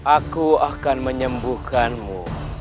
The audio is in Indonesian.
aku akan menyembuhkanmu